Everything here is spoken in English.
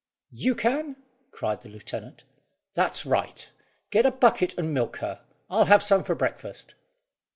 "You can?" cried the lieutenant, "that's right; get a bucket and milk her. I'll have some for breakfast."